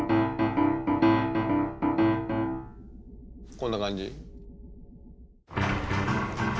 こんな感じ？